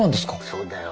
そうだよ。